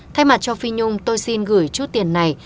thay mặt cho phi nhung tôi xin gửi chút tiền này